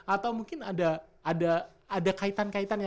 atau mungkin ada kaitan kaitan ya